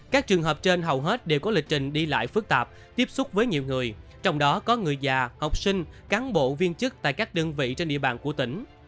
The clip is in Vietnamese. các trường hợp trên hầu hết đều có lịch trình đi lại phức tạp tiếp xúc với nhiều người trong đó có người già học sinh cán bộ viên chức tại các đơn vị trên địa bàn của tỉnh